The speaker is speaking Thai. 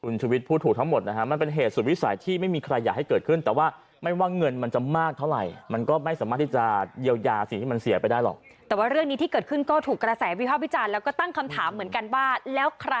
แล้วใครต้องเป็นเป้นใครนะครับ